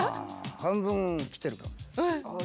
半分きてるかも。